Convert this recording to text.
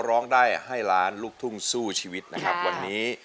ร้องได้ให้ล้านลูกทุ่งสู้ชีวิตนะครับวันนี้